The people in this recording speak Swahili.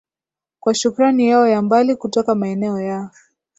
kwa shukrani yao ya mbali kutoka maeneo ya